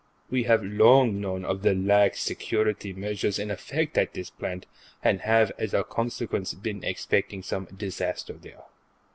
We have long known of the lax security measures in effect at this plant, and have, as a consequence, been expecting some disaster there.